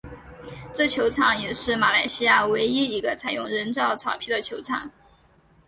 这球场也是马来西亚唯一一个采用人造草皮的球场。